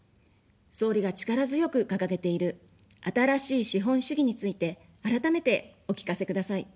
総理が力強く掲げている「新しい資本主義」について、改めてお聞かせください。